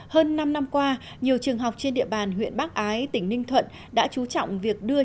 hơn năm năm qua nhiều trường học trên địa bàn huyện bắc ái tỉnh ninh thuận đã chú trọng việc đưa